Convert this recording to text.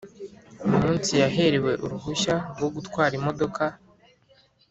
Umunsi yaherewe uruhushya rwo gutwara Imodoka